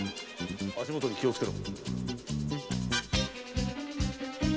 足元に気をつけろ。